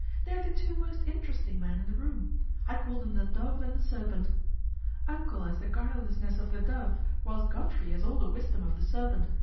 ' They're the two most interesting men in the room. I call them the Dove and the Serpent. Uncle has the guilelessness of the dove, whilst Godfrey has all the wisdom of the serpent.